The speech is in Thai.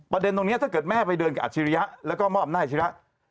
ประเด็นตรงนี้ถ้าเกิดแม่ไปเดินกับอัศจิริยะแล้วก็มอบหน้าอัศจิริยะ